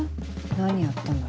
何やったんだろ。